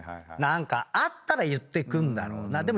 何かあったら言ってくんだろうな。